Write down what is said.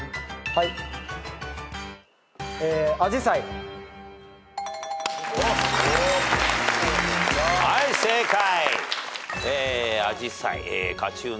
はい正解。